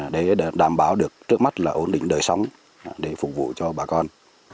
để đảm bảo được trước mắt là ổn định đời sống để phục vụ cho bà con